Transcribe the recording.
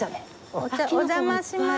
お邪魔します。